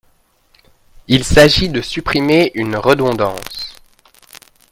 Il s’agit de supprimer une redondance.